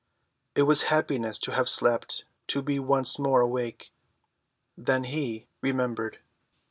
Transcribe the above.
It was happiness to have slept—to be once more awake. Then he remembered.